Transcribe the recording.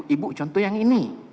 ibu contoh yang ini